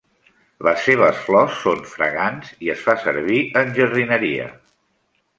Les seves flors són fragants i es fa servir en jardineria.